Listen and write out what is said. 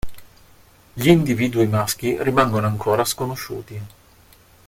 Gli individui maschi rimangono ancora sconosciuti.